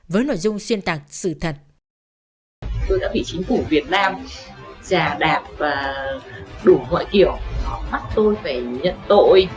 và dùng xuyên tạc sự thật